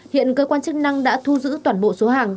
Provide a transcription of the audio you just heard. hiện cơ quan chức năng đã thu giữ toàn bộ số hàng